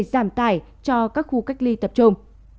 giảm tải cho các khu cách ly tập trung